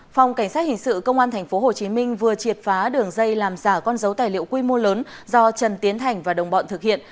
phòng cảnh sát hình sự công an tp hcm vừa triệt phá đường dây làm giả con dấu tài liệu quy mô lớn do trần tiến thành và đồng bọn thực hiện